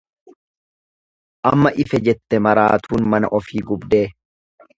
Amma ife jette maraatuun mana ofii gubdee.